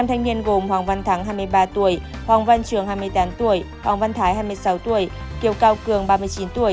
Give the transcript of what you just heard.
năm thanh niên gồm hoàng văn thắng hai mươi ba tuổi hoàng văn trường hai mươi tám tuổi hoàng văn thái hai mươi sáu tuổi kiều cao cường ba mươi chín tuổi